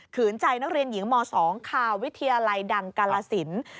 ใจนักเรียนหญิงม๒คาวิทยาลัยดังกาลสิน